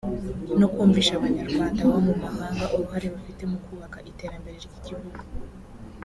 no kumvisha Abanyarwanda baba mu mahanga uruhare bafite mu kubaka iterambere ry’igihugu